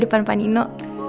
depan pak nino